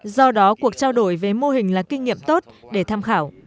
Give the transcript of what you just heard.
do đó cuộc trao đổi về mô hình là kinh nghiệm tốt để tham khảo